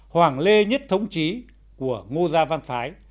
hoàng lê nhất thống trí của ngô gia văn phái